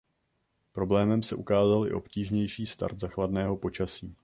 Problémem se ukázal i obtížnější start za chladného počasí.